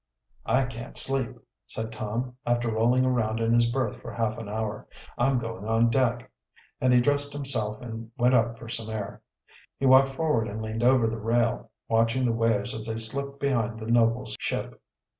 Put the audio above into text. "I can't sleep," said Tom, after rolling around in his berth for half an hour. "I'm going on deck." And he dressed himself and went up for some air. He walked forward and leaned over the rail, watching the waves as they slipped behind the noble ship.